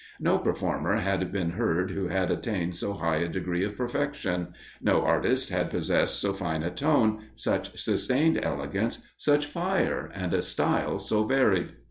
No performer had been heard who had attained so high a degree of perfection no artist had possessed so fine a tone, such sustained elegance, such fire, and a style so varied.